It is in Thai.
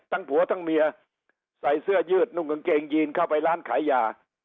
ผัวทั้งเมียใส่เสื้อยืดนุ่งกางเกงยีนเข้าไปร้านขายยา